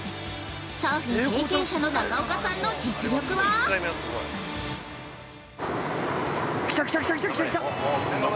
サーフィン経験者の中岡さんの実力は？◆来た来た、来た来た。